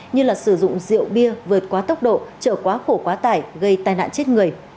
như là sử dụng rượu bia vượt quá tốc độ trở quá khổ quá tải gây tai nạn chết người